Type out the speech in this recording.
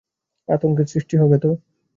আতঙ্কের সৃষ্টি হবে তো।